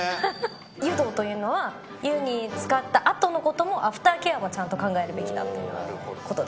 湯道というのは、湯につかったあとのことも、アフターケアもちゃんと考えておくべきだということで。